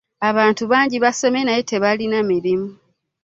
Abantu bangi basomye naye tebalina mirimu.